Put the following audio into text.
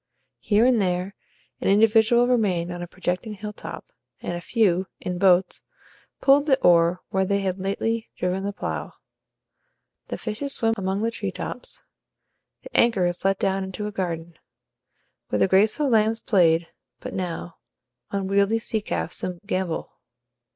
Here and there an individual remained on a projecting hilltop, and a few, in boats, pulled the oar where they had lately driven the plough. The fishes swim among the tree tops; the anchor is let down into a garden. Where the graceful lambs played but now, unwieldy sea calves gambol.